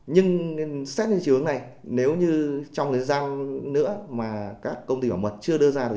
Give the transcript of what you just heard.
nhưng xét như chiều hướng này nếu như trong thời gian nữa mà các công ty bảo mật chưa đưa ra được